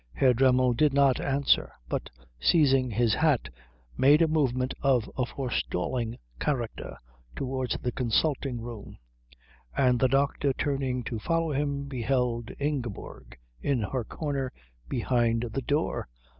Herr Dremmel did not answer, but seizing his hat made a movement of a forestalling character towards the consulting room; and the doctor turning to follow him beheld Ingeborg in her corner behind the door.